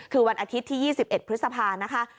คือวันอาทิตย์ที่๒๑พฤษภานะคะ